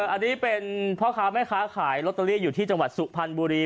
อันนี้เป็นพ่อค้าแม่ค้าขายลอตเตอรี่อยู่ที่จังหวัดสุพรรณบุรี